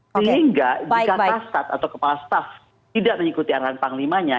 sehingga jika kastat atau kepala staf tidak mengikuti arahan panglimanya